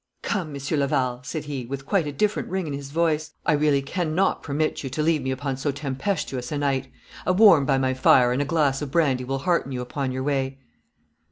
'Come, Monsieur Laval,' said he, with quite a different ring in his voice; 'I really cannot permit you to leave me upon so tempestuous a night. A warm by my fire and a glass of brandy will hearten you upon your way.'